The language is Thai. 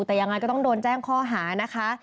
แต่ยังไงก็ต้องโดนแจ้งข้อหานะคะ